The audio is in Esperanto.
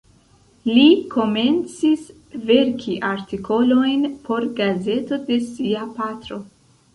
Li komencis verki artikolojn por gazeto de sia patro.